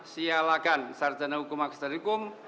sialakan sarjana hukum magisterikum